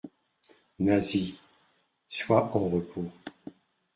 Nasie, sois en repos.